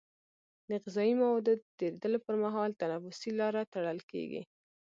د غذایي موادو د تیرېدلو پر مهال تنفسي لاره تړل کېږي.